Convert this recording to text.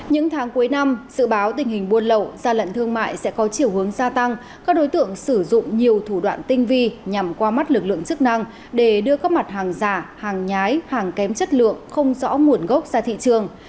những tháng cuối năm dự báo tình hình buôn lậu gia lận thương mại sẽ có chiều hướng gia tăng các đối tượng sử dụng nhiều thủ đoạn tinh vi nhằm qua mắt lực lượng chức năng để đưa các mặt hàng giả hàng nhái hàng kém chất lượng không rõ nguồn gốc ra thị trường